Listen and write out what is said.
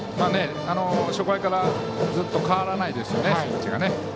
初回から守備位置がずっと変わらないですね。